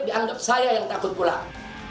dianggap saya yang takut pulang